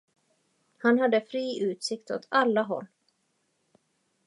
Han hade fri utsikt åt alla håll.